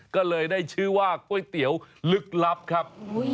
ก็เลยได้ชื่อว่าก๋วยเตี๋ยวลึกลับครับ